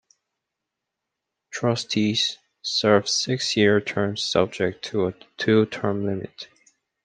Trustees serve six-year terms subject to a two-term limit.